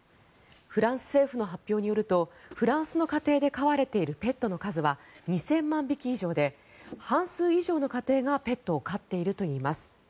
フランス政府の発表によるとフランスの家庭で飼われているペットの数は２０００万匹以上で半数以上の家庭がペットを飼っているといいます。